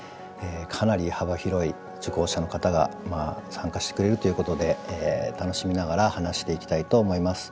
かなり幅広い受講者の方が参加してくれるということで楽しみながら話していきたいと思います。